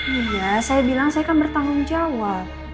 iya saya bilang saya kan bertanggung jawab